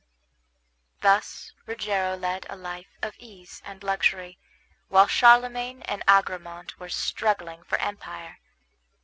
Thus Rogero led a life of ease and luxury, while Charlemagne and Agramant were struggling for empire.